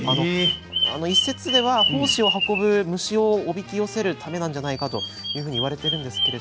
一説では胞子を運ぶ虫をおびき寄せるためなんじゃないかといわれています。